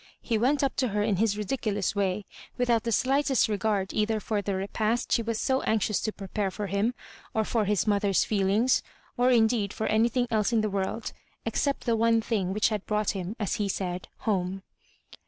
He went up to her in his ridiculous way without the slightest regard either for the repast she was so anxious to prepare for him, or for hia mother's feelings, or indeed for anythmg else in the world, except the one thing which had brought him, as he said, home.